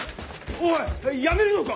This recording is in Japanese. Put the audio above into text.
おい辞めるのか！？